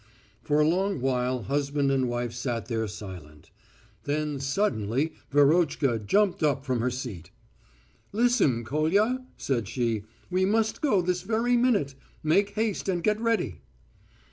For a long while husband and wife sat there silent. Then suddenly Verotchka jumped up from her seat. "Listen, Kolya," said she. "We must go this very minute. Make haste and get ready."